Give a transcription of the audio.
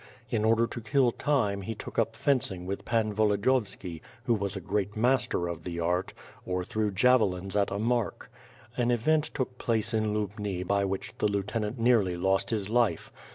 In order to kill time, he took up fencing with Pan Volodiyovski, rt'ho was a great master of the art; or threw javelins at a mark. An event took place in liubni by which the lieutenant nearly lost his life.